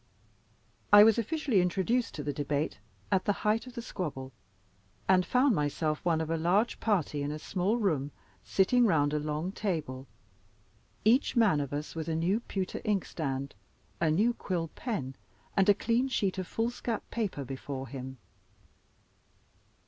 I was officially introduced to the debate at the height of the squabble; and found myself one of a large party in a small room, sitting round a long table, each man of us with a new pewter inkstand, a new quill pen, and a clean sheet of foolscap paper before him.